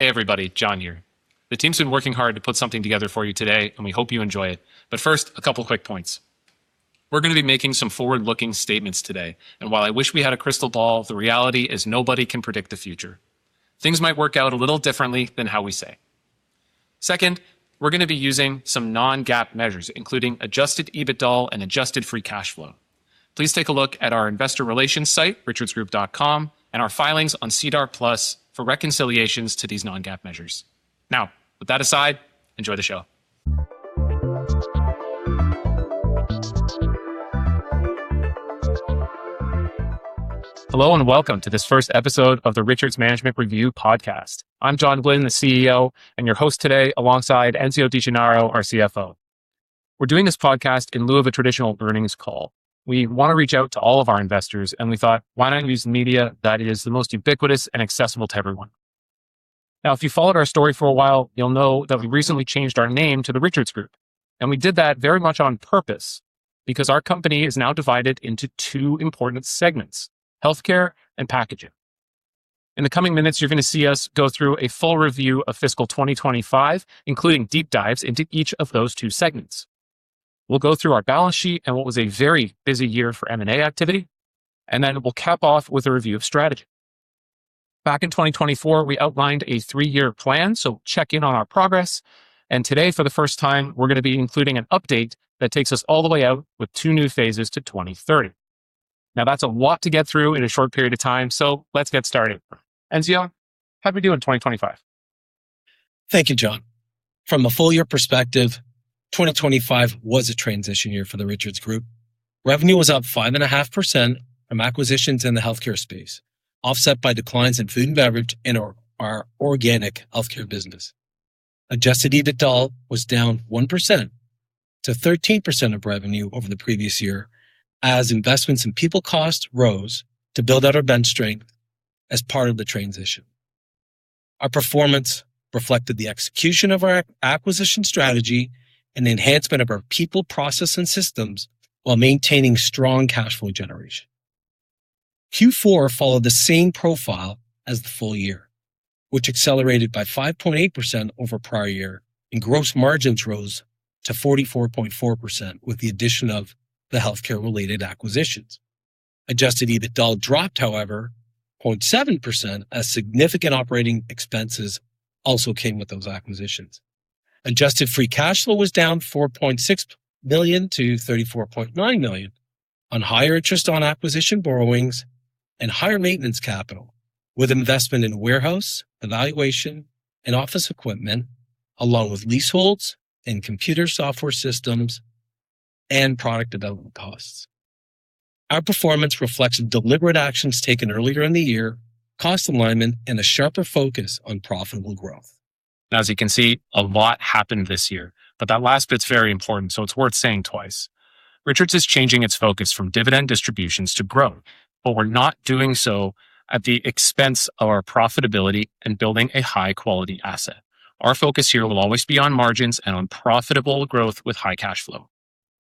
Hey, everybody, John here. The team's been working hard to put something together for you today. We hope you enjoy it. First, a couple quick points. We are going to be making some forward-looking statements today. While I wish we had a crystal ball, the reality is nobody can predict the future. Things might work out a little differently than how we say. Second, we are going to be using some non-GAAP measures, including adjusted EBITDA and adjusted free cash flow. Please take a look at our investor relations site, richardsgroup.com, and our filings on SEDAR+ for reconciliations to these non-GAAP measures. With that aside, enjoy the show. Hello, and welcome to this first episode of the Richards Management Review podcast. I am John Glynn, the CEO, and your host today alongside Enzio Di Gennaro, our CFO. We are doing this podcast in lieu of a traditional earnings call. We want to reach out to all of our investors. We thought, "Why not use the media that is the most ubiquitous and accessible to everyone?" If you have followed our story for a while, you will know that we recently changed our name to Richards Group, and we did that very much on purpose because our company is now divided into two important segments, healthcare and packaging. In the coming minutes, you are going to see us go through a full review of fiscal 2025, including deep dives into each of those two segments. We will go through our balance sheet and what was a very busy year for M&A activity. Then we will cap off with a review of strategy. Back in 2024, we outlined a three-year plan. We will check in on our progress. Today, for the first time, we are going to be including an update that takes us all the way out with two new phases to 2030. That is a lot to get through in a short period of time. Let us get started. Enzio, how did we do in 2025? Thank you, John. From a full-year perspective, 2025 was a transition year for Richards Group Inc. Revenue was up 5.5% from acquisitions in the healthcare space, offset by declines in food and beverage in our organic healthcare business. Adjusted EBITDA was down 1% to 13% of revenue over the previous year as investments in people costs rose to build out our bench strength as part of the transition. Our performance reflected the execution of our acquisition strategy and the enhancement of our people, process, and systems while maintaining strong cash flow generation. Q4 followed the same profile as the full year, which accelerated by 5.8% over prior year. Gross margins rose to 44.4% with the addition of the healthcare related acquisitions. Adjusted EBITDA dropped, however, 0.7% as significant operating expenses also came with those acquisitions. Adjusted free cash flow was down 4.6 million to 34.9 million on higher interest on acquisition borrowings and higher maintenance capital, with investment in warehouse, evaluation, and office equipment, along with leaseholds and computer software systems and product development costs. Our performance reflects deliberate actions taken earlier in the year, cost alignment, and a sharper focus on profitable growth. As you can see, a lot happened this year, but that last bit's very important, so it's worth saying twice. Richards is changing its focus from dividend distributions to growth, but we're not doing so at the expense of our profitability and building a high-quality asset. Our focus here will always be on margins and on profitable growth with high cash flow.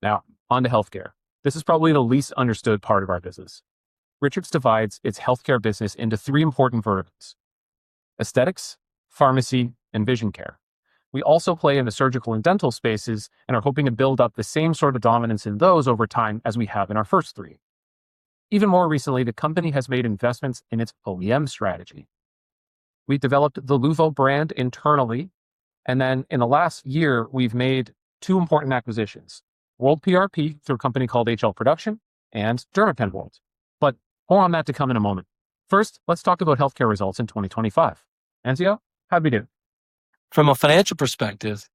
Now on to healthcare. This is probably the least understood part of our business. Richards divides its healthcare business into three important verticals, aesthetics, pharmacy, and vision care. We also play in the surgical and dental spaces and are hoping to build up the same sort of dominance in those over time as we have in our first three. Even more recently, the company has made investments in its OEM strategy. We've developed the LUVO brand internally, and then in the last year, we've made two important acquisitions, World PRP through a company called HL Production, and Dermapen World. More on that to come in a moment. First, let's talk about healthcare results in 2025. Enzio, how'd we do? From a financial perspective,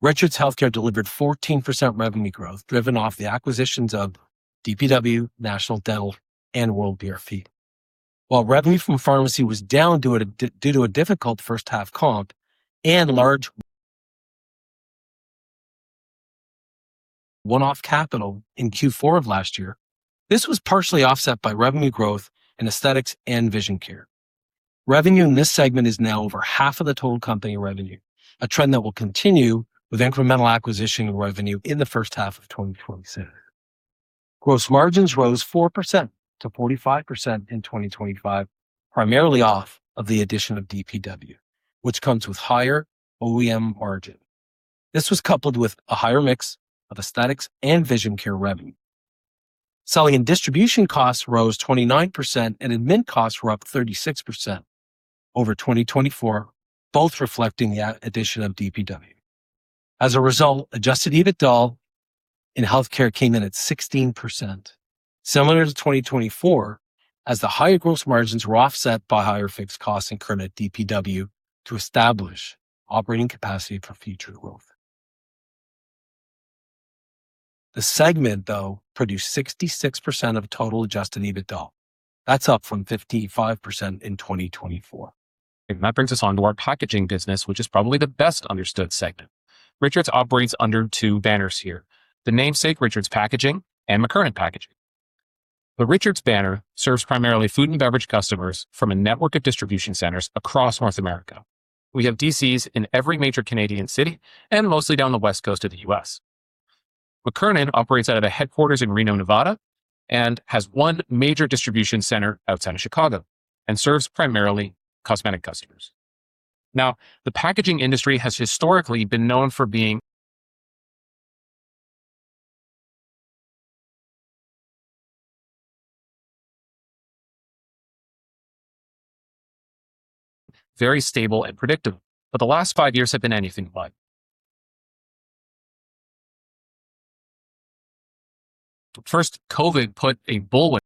Richards Health delivered 14% revenue growth driven off the acquisitions of DPW, National Dental, and World PRP. While revenue from pharmacy was down due to a difficult first half comp and large one-off capital in Q4 of last year, this was partially offset by revenue growth in aesthetics and vision care. Revenue in this segment is now over half of the total company revenue, a trend that will continue with incremental acquisition revenue in the first half of 2026. Gross margins rose 4% to 45% in 2025, primarily off of the addition of DPW, which comes with higher OEM margin. This was coupled with a higher mix of aesthetics and vision care revenue. Selling and distribution costs rose 29%, and admin costs were up 36% over 2024, both reflecting the addition of DPW. As a result, adjusted EBITDA in healthcare came in at 16%, similar to 2024, as the higher gross margins were offset by higher fixed costs incurred at DPW to establish operating capacity for future growth. The segment, though, produced 66% of total adjusted EBITDA. That's up from 55% in 2024. That brings us onto our packaging business, which is probably the best understood segment. Richards operates under two banners here, the namesake Richards Packaging and McKernan Packaging. The Richards banner serves primarily food and beverage customers from a network of distribution centers across North America. We have DCs in every major Canadian city and mostly down the West Coast of the U.S. McKernan operates out of a headquarters in Reno, Nevada and has one major distribution center outside of Chicago and serves primarily cosmetic customers. The packaging industry has historically been known for being very stable and predictable, but the last five years have been anything but. COVID put a bullwhip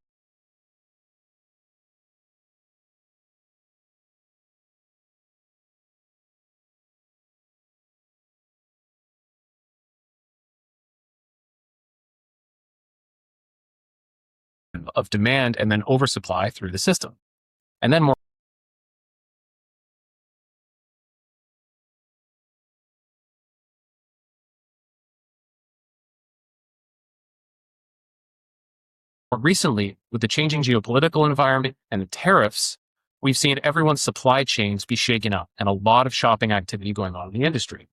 of demand and then oversupply through the system. More recently, with the changing geopolitical environment and the tariffs, we've seen everyone's supply chains be shaken up and a lot of shopping activity going on in the industry.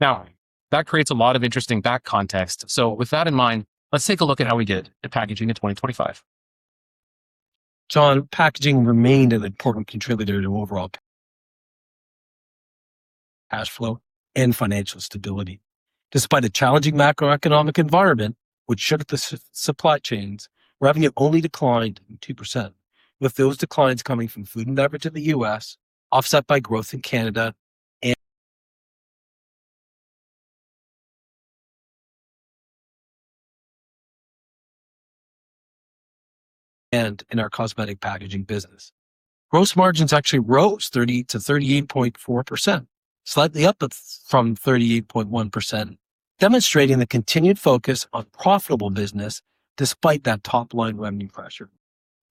That creates a lot of interesting back context. With that in mind, let's take a look at how we did at Packaging in 2025. John, packaging remained an important contributor to overall cash flow and financial stability. Despite a challenging macroeconomic environment, which shook the supply chains, revenue only declined 2%, with those declines coming from food and beverage in the U.S., offset by growth in Canada and in our cosmetic packaging business. Gross margins actually rose 30 to 38.4%, slightly up from 38.1%, demonstrating the continued focus on profitable business despite that top-line revenue pressure.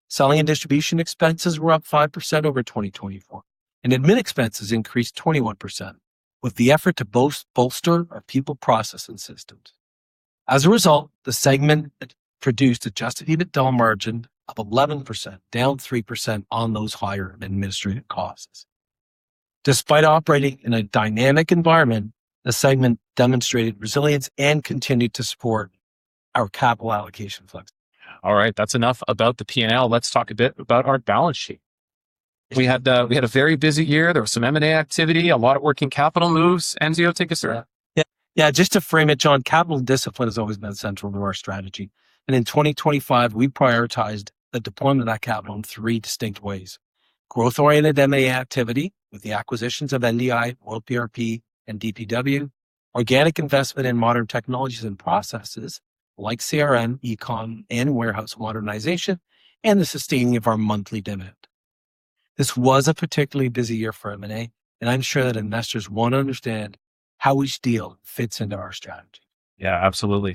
Selling and distribution expenses were up 5% over 2024, and admin expenses increased 21%, with the effort to bolster our people, process, and systems. As a result, the segment produced adjusted EBITDA margin of 11%, down 3% on those higher administrative costs. Despite operating in a dynamic environment, the segment demonstrated resilience and continued to support our capital allocation flexibility. All right. That's enough about the P&L. Let's talk a bit about our balance sheet. We had a very busy year. There was some M&A activity, a lot of working capital moves. Enzio, take us through that. Yeah. Just to frame it, John, capital discipline has always been central to our strategy. In 2025, we prioritized the deployment of that capital in three distinct ways. Growth-oriented M&A activity with the acquisitions of NDI, World PRP, and DPW, organic investment in modern technologies and processes like CRM, eCom, and warehouse modernization, the sustaining of our monthly dividend. This was a particularly busy year for M&A, and I'm sure that investors want to understand how each deal fits into our strategy. Yeah, absolutely.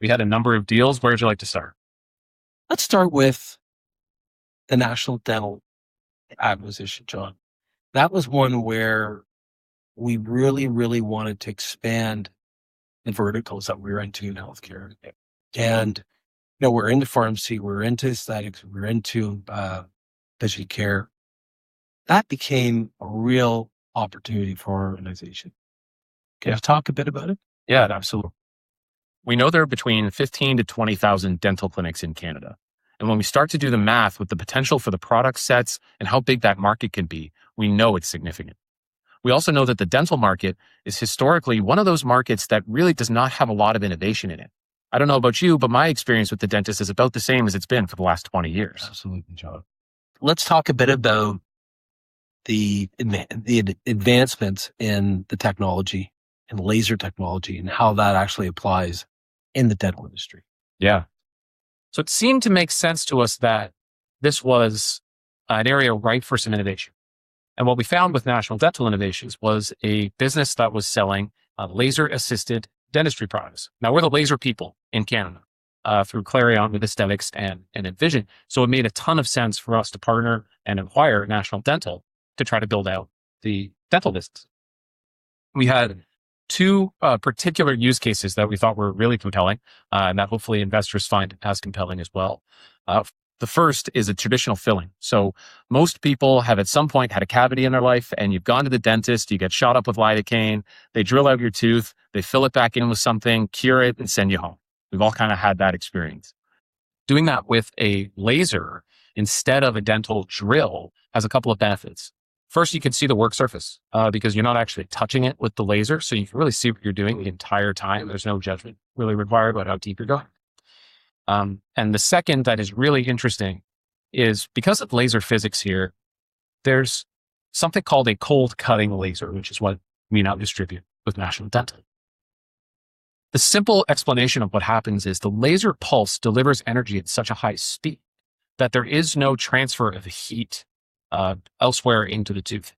We had a number of deals. Where would you like to start? Let's start with the National Dental acquisition, John. That was one where we really wanted to expand the verticals that we're into in healthcare. We're into pharmacy, we're into aesthetics, we're into vision care. That became a real opportunity for our organization. Can you talk a bit about it? Absolutely. We know there are between 15,000 to 20,000 dental clinics in Canada. When we start to do the math with the potential for the product sets and how big that market can be, we know it's significant. We also know that the dental market is historically one of those markets that really does not have a lot of innovation in it. I don't know about you, but my experience with the dentist is about the same as it's been for the last 20 years. Absolutely, John. Let's talk a bit about the advancements in the technology, in laser technology, and how that actually applies in the dental industry. It seemed to make sense to us that this was an area ripe for some innovation. What we found with National Dental Inc. was a business that was selling laser-assisted dentistry products. Now we're the laser people in Canada, through Clarion with aesthetics and Envision. It made a ton of sense for us to partner and acquire National Dental to try to build out the dental business. We had two particular use cases that we thought were really compelling, and that hopefully investors find as compelling as well. The first is a traditional filling. Most people have at some point had a cavity in their life and you've gone to the dentist, you get shot up with lidocaine, they drill out your tooth, they fill it back in with something, cure it, and send you home. We've all kind of had that experience. Doing that with a laser instead of a dental drill has a couple of benefits. First, you can see the work surface because you're not actually touching it with the laser, so you can really see what you're doing the entire time. There's no judgment really required about how deep you're going. The second that is really interesting is because of laser physics here, there's something called a cold cutting laser, which is what we now distribute with National Dental. The simple explanation of what happens is the laser pulse delivers energy at such a high speed that there is no transfer of heat elsewhere into the tooth.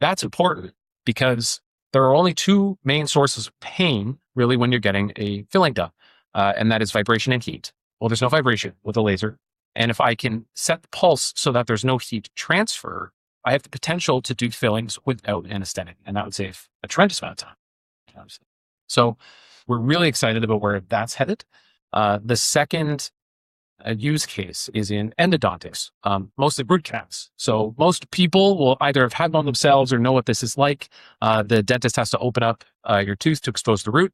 That's important because there are only two main sources of pain really when you're getting a filling done, and that is vibration and heat. Well, there's no vibration with a laser, and if I can set the pulse so that there's no heat transfer, I have the potential to do fillings without anesthetic, and that would save a tremendous amount of time. Absolutely. We're really excited about where that's headed. The second use case is in endodontics, mostly root canals. Most people will either have had one themselves or know what this is like. The dentist has to open up your tooth to expose the root.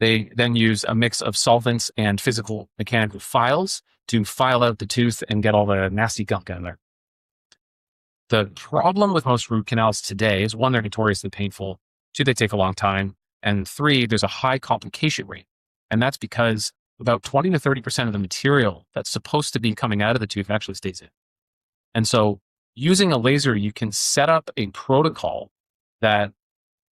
They then use a mix of solvents and physical mechanical files to file out the tooth and get all the nasty gunk out of there. The problem with most root canals today is, one, they're notoriously painful, two, they take a long time, and three, there's a high complication rate. That's because about 20%-30% of the material that's supposed to be coming out of the tooth actually stays in. Using a laser, you can set up a protocol that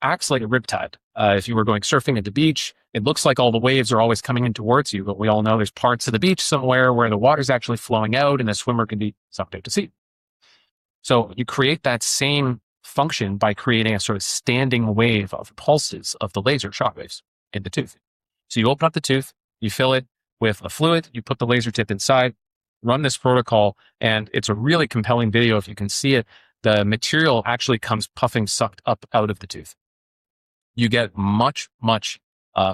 acts like a riptide. If you were going surfing at the beach, it looks like all the waves are always coming in towards you, but we all know there's parts of the beach somewhere where the water's actually flowing out, and a swimmer can be sucked out to sea. You create that same function by creating a sort of standing wave of pulses of the laser shock waves in the tooth. You open up the tooth, you fill it with a fluid, you put the laser tip inside, run this protocol, and it's a really compelling video if you can see it. The material actually comes puffing, sucked up out of the tooth. You get much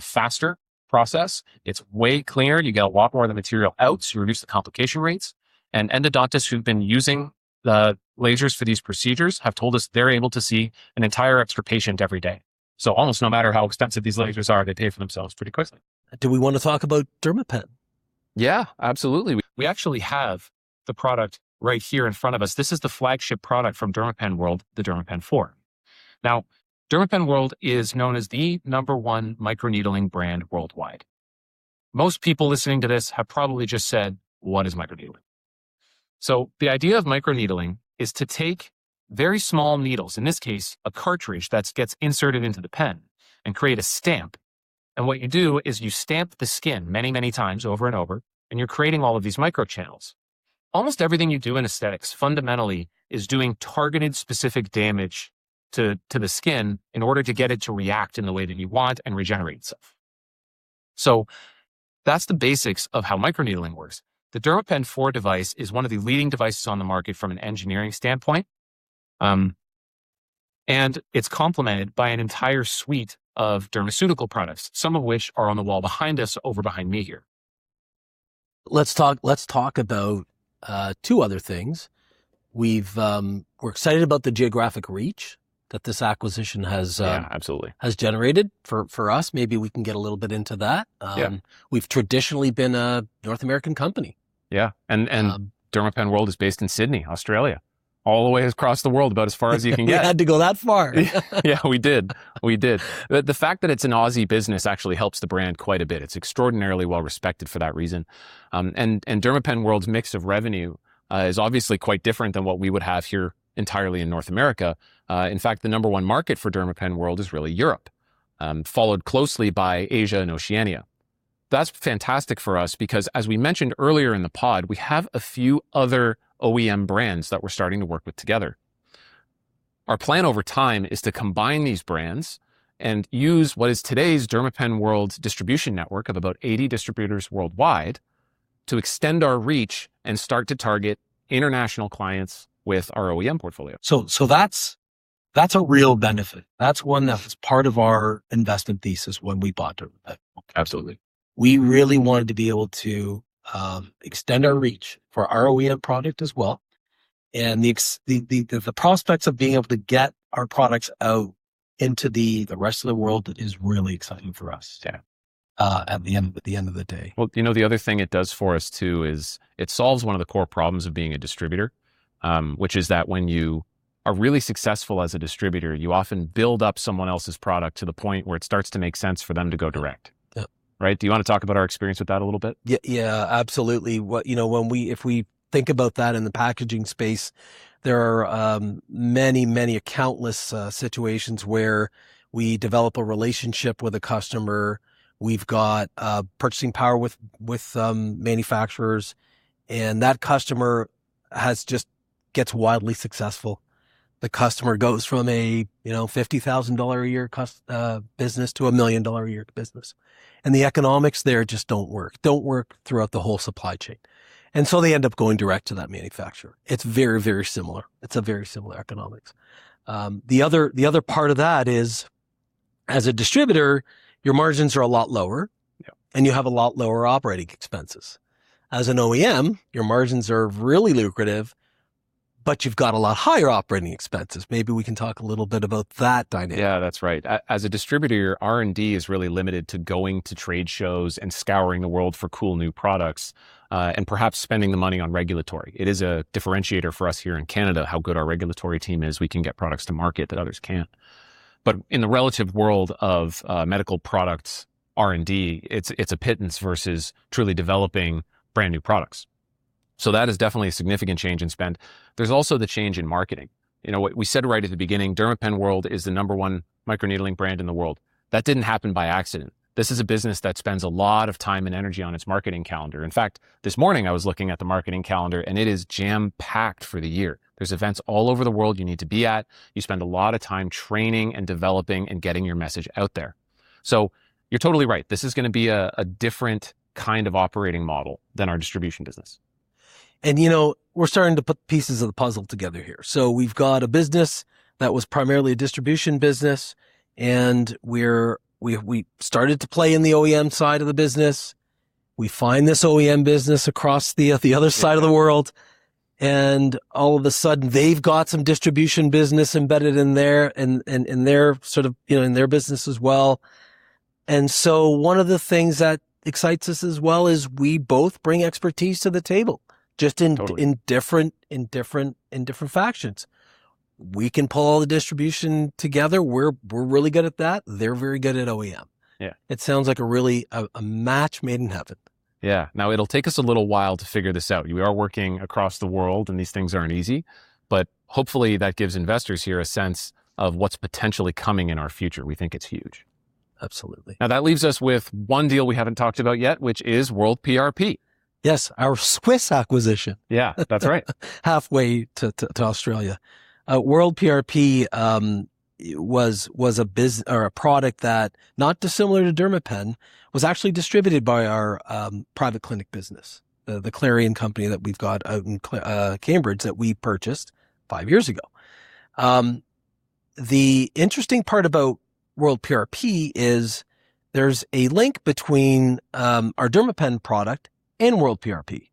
faster process. It's way cleaner. You get a lot more of the material out, so you reduce the complication rates. Endodontists who've been using the lasers for these procedures have told us they're able to see an entire extra patient every day. Almost no matter how expensive these lasers are, they pay for themselves pretty quickly. Do we want to talk about Dermapen? Yeah, absolutely. We actually have the product right here in front of us. This is the flagship product from Dermapen World, the Dermapen 4. Dermapen World is known as the number one microneedling brand worldwide. Most people listening to this have probably just said, "What is microneedling?" The idea of microneedling is to take very small needles, in this case, a cartridge that gets inserted into the pen, and create a stamp. What you do is you stamp the skin many times over and over, and you're creating all of these microchannels. Almost everything you do in aesthetics fundamentally is doing targeted, specific damage to the skin in order to get it to react in the way that you want and regenerate itself. That's the basics of how microneedling works. The Dermapen 4 device is one of the leading devices on the market from an engineering standpoint. It's complemented by an entire suite of dermaceutical products, some of which are on the wall behind us over behind me here. Let's talk about two other things. We're excited about the geographic reach that this acquisition has. Yeah, absolutely has generated for us. Maybe we can get a little bit into that. Yeah. We've traditionally been a North American company. Yeah. Dermapen World is based in Sydney, Australia, all the way across the world, about as far as you can get. You had to go that far. Yeah, we did. The fact that it's an Aussie business actually helps the brand quite a bit. It's extraordinarily well respected for that reason. Dermapen World's mix of revenue is obviously quite different than what we would have here entirely in North America. In fact, the number one market for Dermapen World is really Europe, followed closely by Asia and Oceania. That's fantastic for us because, as we mentioned earlier in the pod, we have a few other OEM brands that we're starting to work with together. Our plan over time is to combine these brands and use what is today's Dermapen World's distribution network of about 80 distributors worldwide to extend our reach and start to target international clients with our OEM portfolio. That's a real benefit. That's one that was part of our investment thesis when we bought Dermapen. Absolutely. We really wanted to be able to extend our reach for our OEM product as well, and the prospects of being able to get our products out into the rest of the world is really exciting for us. Yeah at the end of the day. Well, the other thing it does for us, too, is it solves one of the core problems of being a distributor, which is that when you are really successful as a distributor, you often build up someone else's product to the point where it starts to make sense for them to go direct. Yeah. Right? Do you want to talk about our experience with that a little bit? Yeah, absolutely. If we think about that in the packaging space, there are many countless situations where we develop a relationship with a customer. That customer just gets wildly successful. The customer goes from a 50,000 dollar a year business to a 1 million dollar a year business, They end up going direct to that manufacturer. It's very similar. It's a very similar economics. The other part of that is, as a distributor, your margins are a lot lower. Yeah. You have a lot lower operating expenses. As an OEM, your margins are really lucrative, you've got a lot higher operating expenses. Maybe we can talk a little bit about that dynamic. Yeah, that's right. As a distributor, your R&D is really limited to going to trade shows and scouring the world for cool new products. Perhaps spending the money on regulatory. It is a differentiator for us here in Canada, how good our regulatory team is. We can get products to market that others can't. In the relative world of medical products R&D, it's a pittance versus truly developing brand-new products. That is definitely a significant change in spend. There's also the change in marketing. What we said right at the beginning, Dermapen World is the number one microneedling brand in the world. That didn't happen by accident. This is a business that spends a lot of time and energy on its marketing calendar. In fact, this morning I was looking at the marketing calendar, and it is jam-packed for the year. There's events all over the world you need to be at. You spend a lot of time training and developing and getting your message out there. You're totally right. This is going to be a different kind of operating model than our distribution business. We're starting to put pieces of the puzzle together here. We've got a business that was primarily a distribution business, and we started to play in the OEM side of the business. We find this OEM business across the other side of the world, and all of a sudden, they've got some distribution business embedded in their business as well. One of the things that excites us as well is we both bring expertise to the table. Totally just in different factions. We can pull all the distribution together. We're really good at that. They're very good at OEM. Yeah. It sounds like a match made in heaven. Yeah. It'll take us a little while to figure this out. We are working across the world, and these things aren't easy, but hopefully that gives investors here a sense of what's potentially coming in our future. We think it's huge. Absolutely. That leaves us with one deal we haven't talked about yet, which is World PRP. Yes, our Swiss acquisition. Yeah. That's right. Halfway to Australia. World PRP was a product that, not dissimilar to Dermapen, was actually distributed by our private clinic business, the Clarion company that we've got out in Cambridge that we purchased five years ago. The interesting part about World PRP is there's a link between our Dermapen product and World PRP.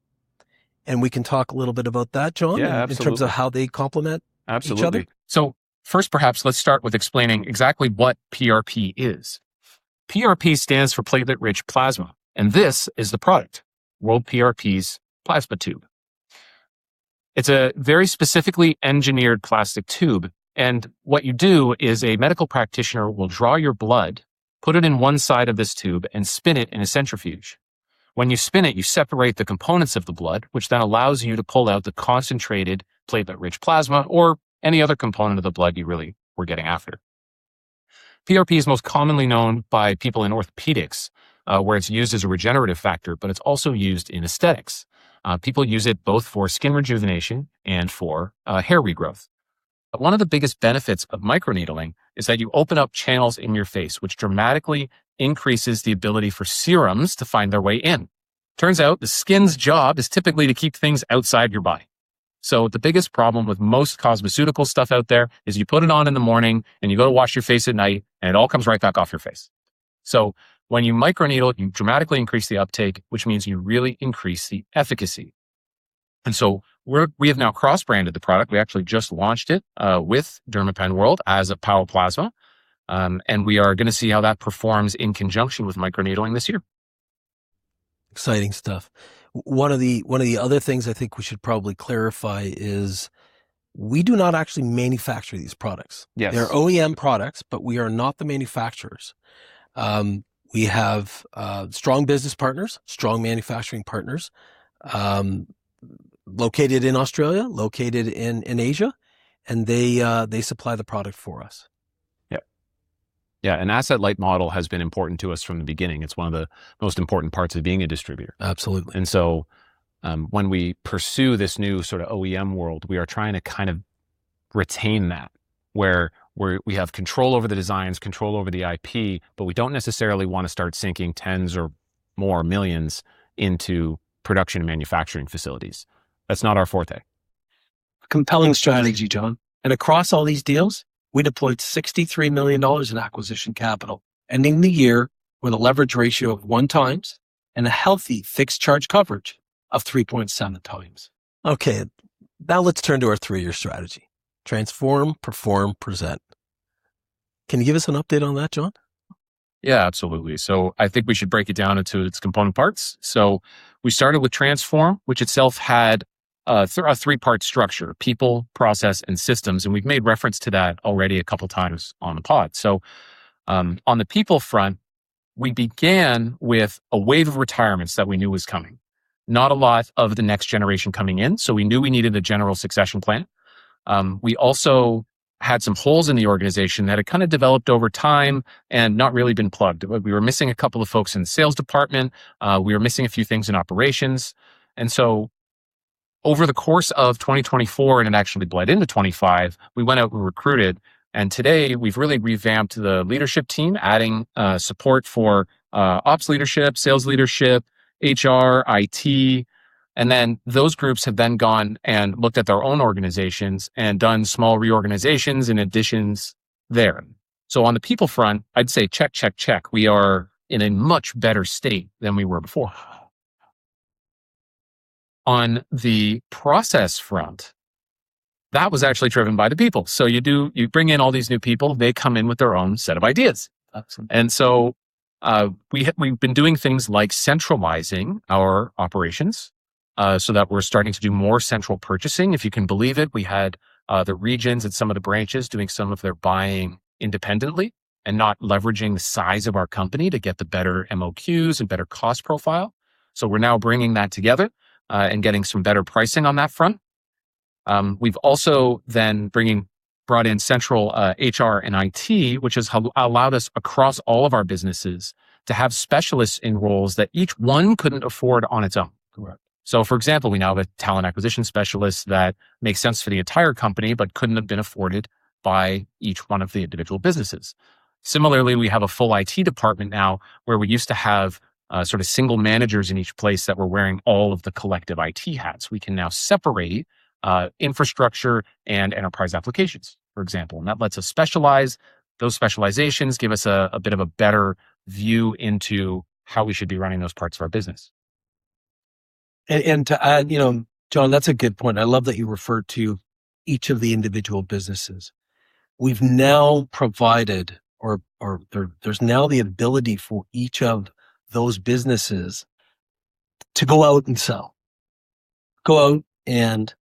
We can talk a little bit about that, John. Yeah, absolutely. in terms of how they complement each other. Absolutely. First, perhaps let's start with explaining exactly what PRP is. PRP stands for Platelet Rich Plasma, and this is the product, WorldPRP's plasma tube. It's a very specifically engineered plastic tube, and what you do is a medical practitioner will draw your blood, put it in one side of this tube, and spin it in a centrifuge. When you spin it, you separate the components of the blood, which then allows you to pull out the concentrated platelet-rich plasma or any other component of the blood you really were getting after. PRP is most commonly known by people in orthopedics, where it's used as a regenerative factor, but it's also used in aesthetics. People use it both for skin rejuvenation and for hair regrowth. One of the biggest benefits of microneedling is that you open up channels in your face, which dramatically increases the ability for serums to find their way in. Turns out the skin's job is typically to keep things outside your body. The biggest problem with most cosmeceutical stuff out there is you put it on in the morning, and you go to wash your face at night, and it all comes right back off your face. When you microneedle, you dramatically increase the uptake, which means you really increase the efficacy. We have now cross-branded the product. We actually just launched it with Dermapen World as a Power Plasma, and we are going to see how that performs in conjunction with microneedling this year. Exciting stuff. One of the other things I think we should probably clarify is we do not actually manufacture these products. Yes. They're OEM products. We are not the manufacturers. We have strong business partners, strong manufacturing partners, located in Australia, located in Asia. They supply the product for us. Yep. Yeah, an asset-light model has been important to us from the beginning. It's one of the most important parts of being a distributor. Absolutely. When we pursue this new sort of OEM world, we are trying to retain that, where we have control over the designs, control over the IP. We don't necessarily want to start sinking tens or more millions into production and manufacturing facilities. That's not our forte. A compelling strategy, John. Across all these deals, we deployed 63 million dollars in acquisition capital, ending the year with a leverage ratio of one times and a healthy fixed charge coverage of 3.7 times. Okay, now let's turn to our three-year strategy. Transform, Perform, Present. Can you give us an update on that, John? Yeah, absolutely. I think we should break it down into its component parts. We started with transform, which itself had a three-part structure, people, process, and systems, and we've made reference to that already a couple of times on the pod. On the people front, we began with a wave of retirements that we knew was coming. Not a lot of the next generation coming in, so we knew we needed a general succession plan. We also had some holes in the organization that had kind of developed over time and not really been plugged. We were missing a couple of folks in the sales department. We were missing a few things in operations. Over the course of 2024, and it actually bled into 2025, we went out, we recruited, and today we've really revamped the leadership team, adding support for ops leadership, sales leadership, HR, IT. Those groups have then gone and looked at their own organizations and done small reorganizations and additions there. On the people front, I'd say check, check. We are in a much better state than we were before. On the process front, that was actually driven by the people. You bring in all these new people, they come in with their own set of ideas. Absolutely. We've been doing things like centralizing our operations, that we're starting to do more central purchasing. If you can believe it, we had the regions and some of the branches doing some of their buying independently and not leveraging the size of our company to get the better MOQ and better cost profile. We're now bringing that together, and getting some better pricing on that front. We've also then brought in central HR and IT, which has allowed us across all of our businesses to have specialists in roles that each one couldn't afford on its own. Correct. For example, we now have a talent acquisition specialist that makes sense for the entire company but couldn't have been afforded by each one of the individual businesses. Similarly, we have a full IT department now, where we used to have sort of single managers in each place that were wearing all of the collective IT hats. We can now separate infrastructure and enterprise applications, for example, and that lets us specialize. Those specializations give us a bit of a better view into how we should be running those parts of our business. To add, John, that's a good point. I love that you referred to each of the individual businesses. We've now provided, or there's now the ability for each of those businesses to go out and sell. Go out and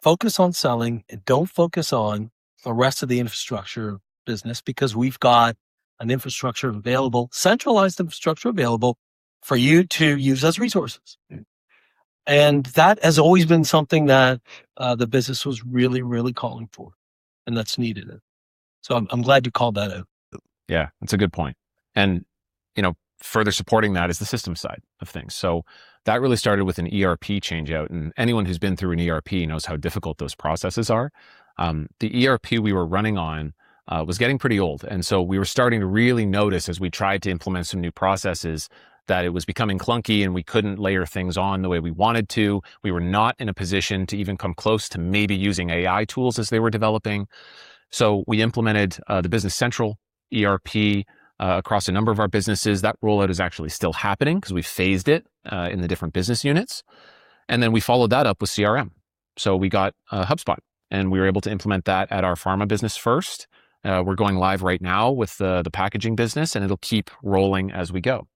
focus on selling, and don't focus on the rest of the infrastructure business because we've got an infrastructure available, centralized infrastructure available for you to use as resources. That has always been something that the business was really calling for, and that's needed. I'm glad you called that out. Yeah. It's a good point. Further supporting that is the systems side of things. That really started with an ERP change-out, and anyone who's been through an ERP knows how difficult those processes are. The ERP we were running on was getting pretty old, we were starting to really notice as we tried to implement some new processes that it was becoming clunky and we couldn't layer things on the way we wanted to. We were not in a position to even come close to maybe using AI tools as they were developing. We implemented the Business Central ERP across a number of our businesses. That rollout is actually still happening because we phased it in the different business units. We followed that up with CRM. We got HubSpot, and we were able to implement that at our pharma business first. We're going live right now with the packaging business, and it'll keep rolling as we go.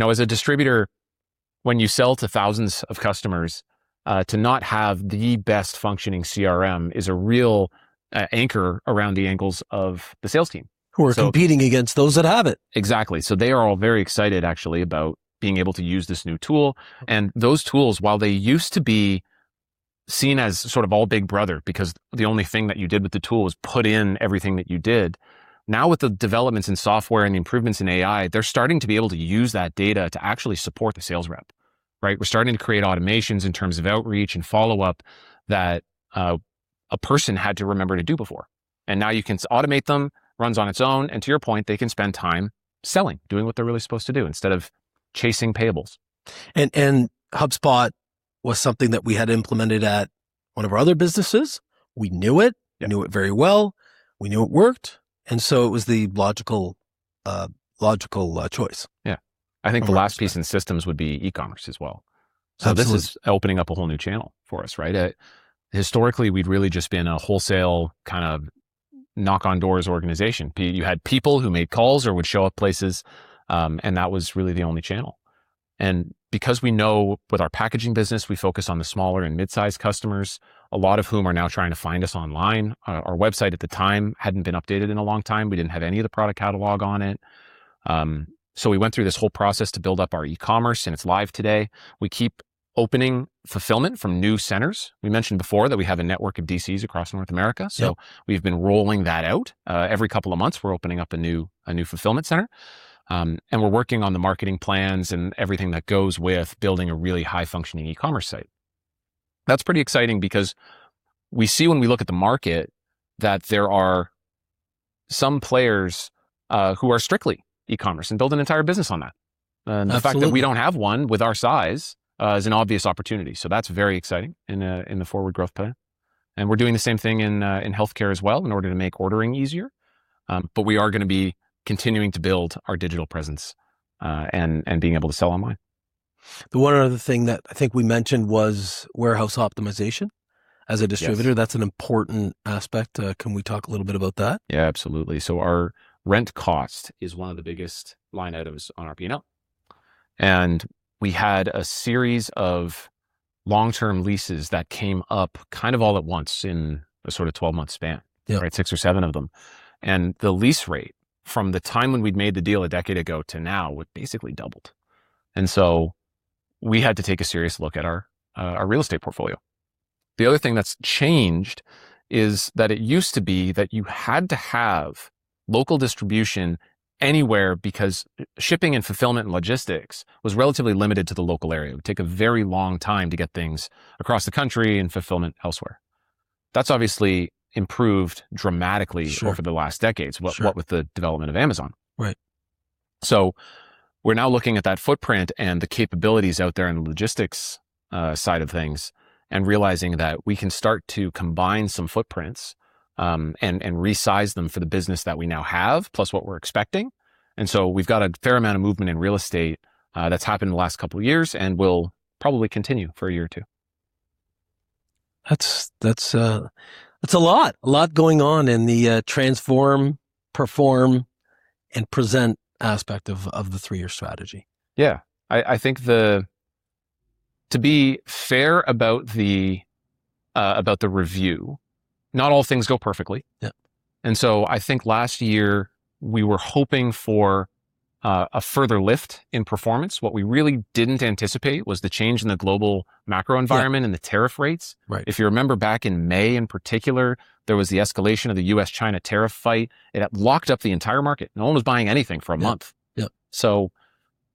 As a distributor, when you sell to thousands of customers, to not have the best functioning CRM is a real anchor around the ankles of the sales team. Who are competing against those that have it. They are all very excited, actually, about being able to use this new tool, and those tools, while they used to be seen as sort of all big brother, because the only thing that you did with the tool was put in everything that you did. Now with the developments in software and the improvements in AI, they're starting to be able to use that data to actually support the sales rep. Right? We're starting to create automations in terms of outreach and follow-up that a person had to remember to do before. Now you can automate them, runs on its own, and to your point, they can spend time selling, doing what they're really supposed to do instead of chasing payables. HubSpot was something that we had implemented at one of our other businesses. We knew it. Yeah. Knew it very well. We knew it worked, it was the logical choice. Yeah. I think the last piece in systems would be e-commerce as well. Absolutely. This is opening up a whole new channel for us, right? Historically, we'd really just been a wholesale kind of knock on doors organization. You had people who made calls or would show up places, and that was really the only channel. Because we know with our packaging business, we focus on the smaller and mid-size customers, a lot of whom are now trying to find us online. Our website at the time hadn't been updated in a long time. We didn't have any of the product catalog on it. We went through this whole process to build up our e-commerce, and it's live today. We keep opening fulfillment from new centers. We mentioned before that we have a network of DC across North America. Yeah. We've been rolling that out. Every couple of months, we're opening up a new fulfillment center. We're working on the marketing plans and everything that goes with building a really high-functioning e-commerce site. That's pretty exciting because we see when we look at the market that there are some players who are strictly e-commerce and build an entire business on that. Absolutely. The fact that we don't have one with our size is an obvious opportunity. That's very exciting in the forward growth plan. We're doing the same thing in healthcare as well in order to make ordering easier. We are going to be continuing to build our digital presence, and being able to sell online. The one other thing that I think we mentioned was warehouse optimization. As a distributor- Yes That's an important aspect. Can we talk a little bit about that? Yeah, absolutely. Our rent cost is one of the biggest line items on our P&L. We had a series of long-term leases that came up kind of all at once in a sort of 12-month span. Yeah. Right? Six or seven of them. The lease rate from the time when we'd made the deal a decade ago to now basically doubled. We had to take a serious look at our real estate portfolio. The other thing that's changed is that it used to be that you had to have local distribution anywhere because shipping and fulfillment and logistics was relatively limited to the local area. It would take a very long time to get things across the country and fulfillment elsewhere. That's obviously improved dramatically- Sure over the last decades. Sure what with the development of Amazon. Right. We're now looking at that footprint and the capabilities out there in the logistics side of things and realizing that we can start to combine some footprints, and resize them for the business that we now have, plus what we're expecting. We've got a fair amount of movement in real estate that's happened in the last couple of years and will probably continue for a year or two. That's a lot. A lot going on in the transform, perform, and present aspect of the three-year strategy. Yeah. I think to be fair about the review, not all things go perfectly. Yeah. I think last year we were hoping for a further lift in performance. What we really didn't anticipate was the change in the global macro environment. Yeah The tariff rates. Right. If you remember back in May in particular, there was the escalation of the U.S.-China tariff fight. It locked up the entire market. No one was buying anything for a month. Yeah.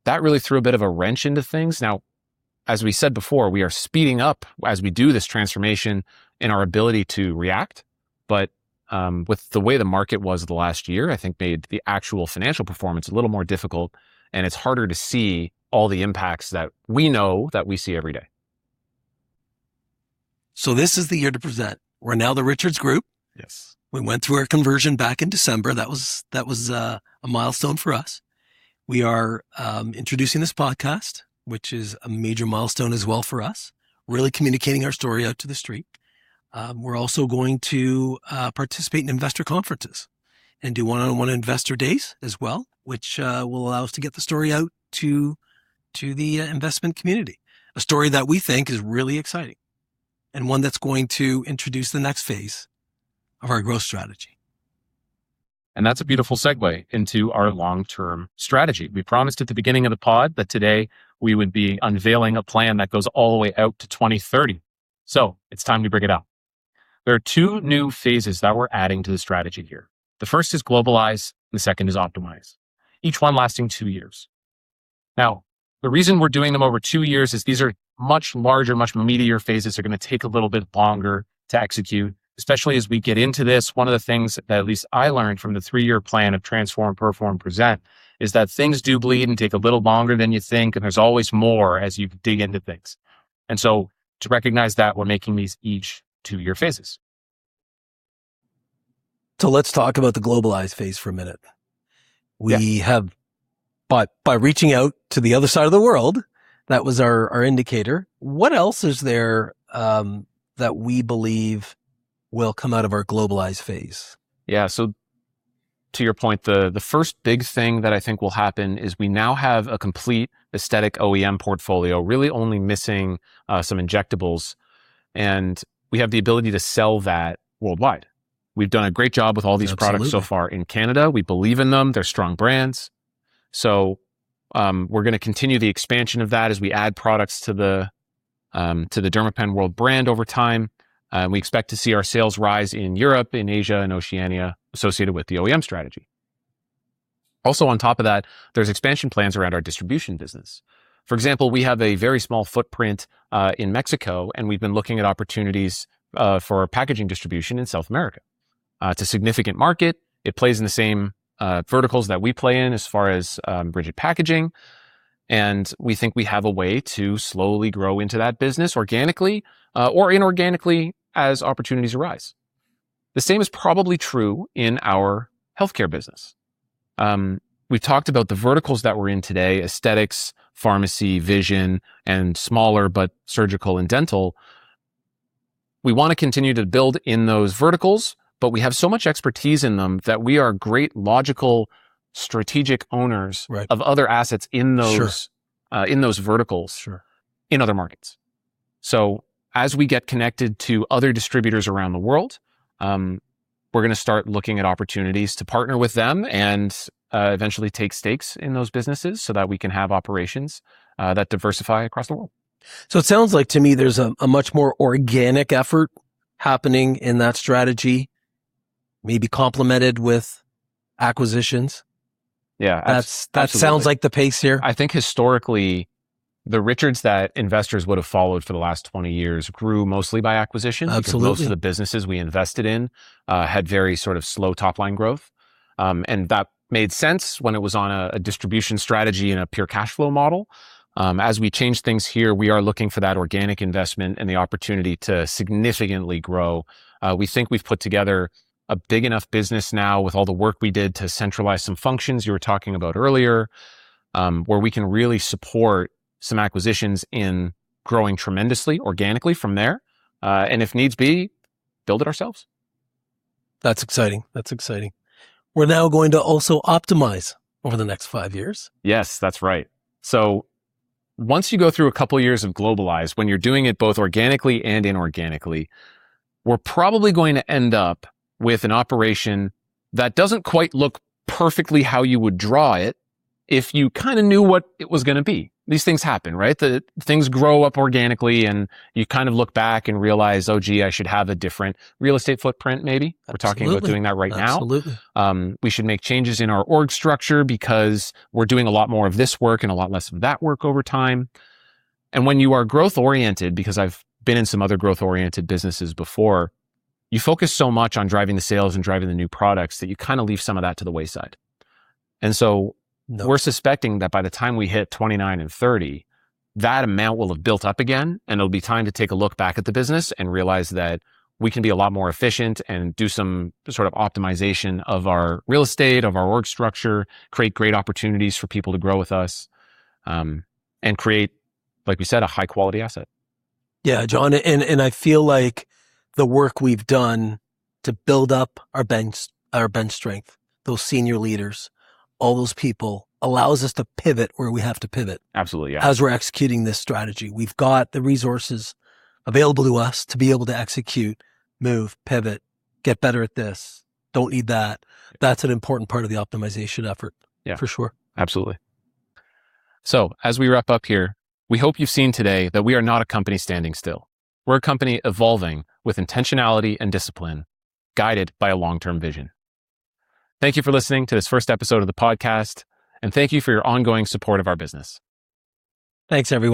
That really threw a bit of a wrench into things. As we said before, we are speeding up as we do this transformation in our ability to react. With the way the market was the last year, I think made the actual financial performance a little more difficult, and it's harder to see all the impacts that we know that we see every day. This is the year to present. We're now the Richards Group. Yes. We went through our conversion back in December. That was a milestone for us. We are introducing this podcast, which is a major milestone as well for us, really communicating our story out to the street. We're also going to participate in investor conferences and do one-on-one investor days as well, which will allow us to get the story out to the investment community, a story that we think is really exciting, and one that's going to introduce the next phase of our growth strategy. That's a beautiful segue into our long-term strategy. We promised at the beginning of the pod that today we would be unveiling a plan that goes all the way out to 2030. It's time to bring it out. There are two new phases that we're adding to the strategy here. The first is globalize and the second is optimize. Each one lasting two years. The reason we're doing them over two years is these are much larger, much meatier phases. They're going to take a little bit longer to execute. Especially as we get into this, one of the things that at least I learned from the three-year plan of transform, perform, present, is that things do bleed and take a little longer than you think, and there's always more as you dig into things. To recognize that, we're making these each two-year phases. Let's talk about the globalize phase for a minute. Yeah. We have by reaching out to the other side of the world, that was our indicator. What else is there that we believe will come out of our globalize phase? To your point, the first big thing that I think will happen is we now have a complete aesthetic OEM portfolio, really only missing some injectables, and we have the ability to sell that worldwide. We've done a great job with all these products- Absolutely so far in Canada. We believe in them. They're strong brands. We're going to continue the expansion of that as we add products to the Dermapen World brand over time. We expect to see our sales rise in Europe, in Asia, and Oceania associated with the OEM strategy. On top of that, there's expansion plans around our distribution business. For example, we have a very small footprint in Mexico, and we've been looking at opportunities for packaging distribution in South America. It's a significant market. It plays in the same verticals that we play in as far as rigid packaging, and we think we have a way to slowly grow into that business organically or inorganically as opportunities arise. The same is probably true in our healthcare business. We've talked about the verticals that we're in today, aesthetics, pharmacy, vision, and smaller, but surgical and dental. We want to continue to build in those verticals, but we have so much expertise in them that we are great, logical, strategic owners- Right of other assets in those- Sure in those verticals- Sure In other markets. As we get connected to other distributors around the world, we're going to start looking at opportunities to partner with them and eventually take stakes in those businesses so that we can have operations that diversify across the world. It sounds like to me there's a much more organic effort happening in that strategy, maybe complemented with acquisitions. Yeah. Absolutely. That sounds like the pace here. I think historically, the Richards that investors would've followed for the last 20 years grew mostly by acquisition- Absolutely Most of the businesses we invested in had very sort of slow top-line growth, that made sense when it was on a distribution strategy and a pure cash flow model. As we change things here, we are looking for that organic investment and the opportunity to significantly grow. We think we've put together a big enough business now with all the work we did to centralize some functions you were talking about earlier, where we can really support some acquisitions in growing tremendously organically from there. If needs be, build it ourselves. That's exciting. That's exciting. We're now going to also optimize over the next five years. Yes, that's right. Once you go through a couple of years of globalize, when you're doing it both organically and inorganically, we're probably going to end up with an operation that doesn't quite look perfectly how you would draw it if you kind of knew what it was going to be. These things happen, right? Things grow up organically and you kind of look back and realize, oh gee, I should have a different real estate footprint maybe. Absolutely. We're talking about doing that right now. Absolutely. We should make changes in our org structure because we're doing a lot more of this work and a lot less of that work over time. When you are growth oriented, because I've been in some other growth-oriented businesses before, you focus so much on driving the sales and driving the new products that you kind of leave some of that to the wayside. No We're suspecting that by the time we hit 2029 and 2030, that amount will have built up again, and it'll be time to take a look back at the business and realize that we can be a lot more efficient and do some sort of optimization of our real estate, of our org structure, create great opportunities for people to grow with us, and create, like we said, a high-quality asset. Yeah, John, I feel like the work we've done to build up our bench strength, those senior leaders, all those people, allows us to pivot where we have to pivot. Absolutely. As we're executing this strategy. We've got the resources available to us to be able to execute, move, pivot, get better at this. Don't need that. That's an important part of the optimization effort. Yeah For sure. Absolutely. As we wrap up here, we hope you've seen today that we are not a company standing still. We're a company evolving with intentionality and discipline, guided by a long-term vision. Thank you for listening to this first episode of the podcast, and thank you for your ongoing support of our business. Thanks everyone.